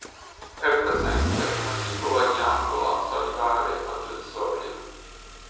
È presente una singola ghiandola salivare accessoria.